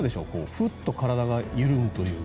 ふっと体が緩むというか。